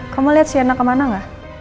kamu lihat siana kemana gak